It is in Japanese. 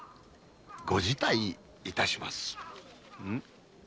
ご辞退いたします。